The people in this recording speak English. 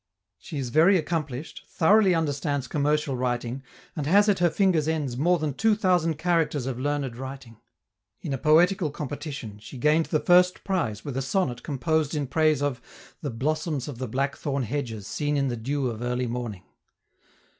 She is very accomplished, thoroughly understands commercial writing, and has at her fingers' ends more than two thousand characters of learned writing. In a poetical competition she gained the first prize with a sonnet composed in praise of 'the blossoms of the blackthorn hedges seen in the dew of early morning.